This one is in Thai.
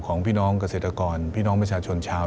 ของพี่น้องเกษตรกรพี่น้องประชาชนชาว